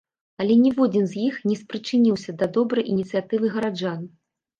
Але ніводзін з іх не спрычыніўся да добрай ініцыятывы гараджан.